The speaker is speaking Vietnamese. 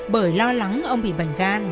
bởi lo lắng ông bị bệnh gan